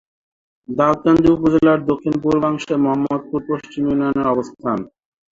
দাউদকান্দি উপজেলার দক্ষিণ-পূর্বাংশে মোহাম্মদপুর পশ্চিম ইউনিয়নের অবস্থান।